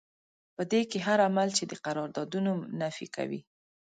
په دې کې هر عمل چې د قراردادونو نفي کوي.